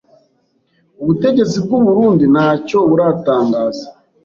Ubutegetsi bw'u Burundi ntacyo buratangaza